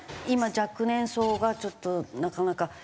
今若年層がちょっとなかなか。